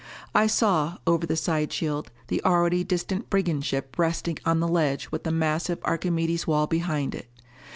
I saw, over the side shield, the already distant brigand ship resting on the ledge with the massive Archimedes' wall behind it.